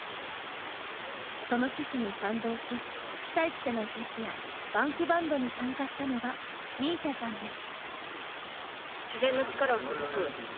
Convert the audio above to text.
その趣旨に賛同し被災地でのフェスやＢａｎｋＢａｎｄに参加したのがＭＩＳＩＡさんです。